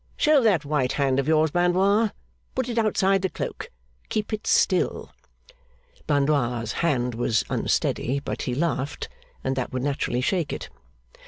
Show that white hand of yours, Blandois. Put it outside the cloak. Keep it still.' Blandois' hand was unsteady; but he laughed, and that would naturally shake it.